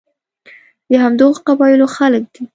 د همدغو قبایلو خلک دي.